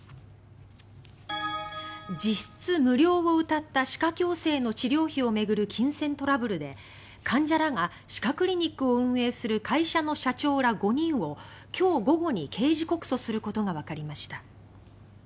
実質無料をうたった歯科矯正の治療費を巡る金銭トラブルで、患者らが歯科クリニックを運営する会社の社長ら５人を今日午後に刑事告訴することがわかりました。